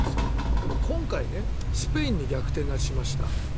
でも今回、スペインに逆転勝ちしました。